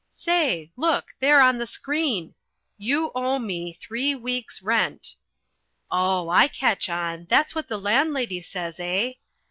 Say! Look there on the screen: "YOU OWE ME THREE WEEKS' RENT." Oh, I catch on! that's what the landlady says, eh?